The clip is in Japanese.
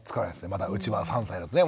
まだうちは３歳なので。